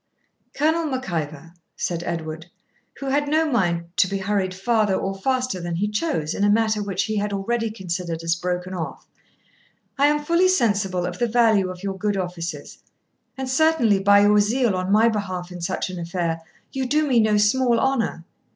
'Colonel Mac Ivor,' said Edward, who had no mind to be hurried farther or faster than he chose in a matter which he had already considered as broken off, 'I am fully sensible of the value of your good offices; and certainly, by your zeal on my behalf in such an affair, you do me no small honour.